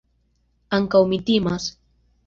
Ankaŭ mi timas.